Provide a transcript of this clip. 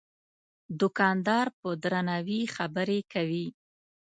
دوکاندار په درناوي خبرې کوي.